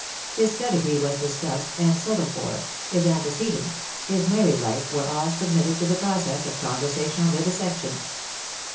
His pedigree was discussed_, and settled for — his ante cedents — his married life, were all submitted to the process of conversational vivisection.